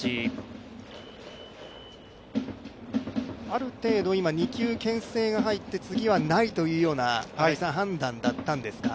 ある程度今、２球けん制が入って次はないという判断だったんですか？